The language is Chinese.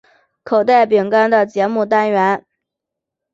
口袋饼干的节目单元。